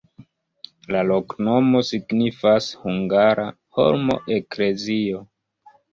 La loknomo signifas: hungara-holmo-eklezio.